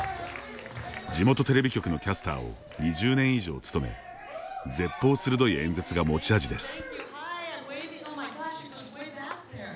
地元テレビ局のキャスタ−を２０年以上務め舌ぽう鋭い演説が持ち味です。